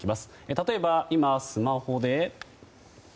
例えば今、スマホで。